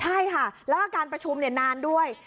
ใช่ค่ะแล้วก็การประชุมนานด้วย